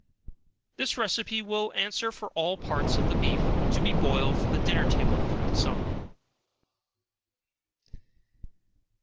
This receipt will answer for all parts of the beef, to be boiled for the dinner table through the summer.